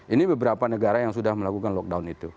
ini beberapa negara yang sudah melakukan lockdown itu